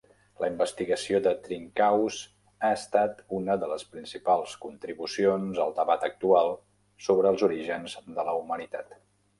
La investigació de Trinkaus ha estat una de les principals contribucions al debat actual sobre els orígens de la humanitat.